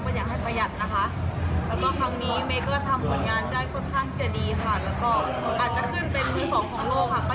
เพราะว่ารายการต่อไปของเมย์ก็จะเป็นรายการสิงคโปร์ในอาทิตย์หน้าค่ะ